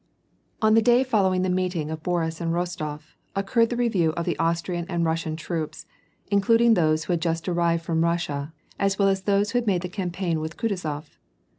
On the day following the meeting of Boris and Eostof, oc curred the review of the Austrian and Russian troops, includ ing those who had just arrived from Russia, as well as those who ha<l ui ide the campaign with Kutuzof.